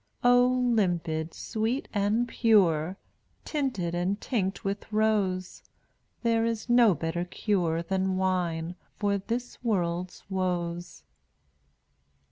Oh, limpid, sweet and pure, Tinted and tinct with rose, There is no better cure Than wine for this world's woes.